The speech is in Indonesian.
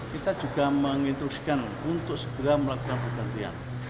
kita juga menginstruksikan untuk segera melakukan pergantian